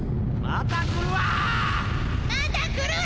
・また来るわ！